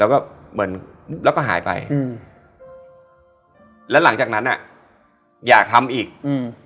แล้วก็เหมือนแล้วก็หายไปอืมแล้วหลังจากนั้นอ่ะอยากทำอีกอืม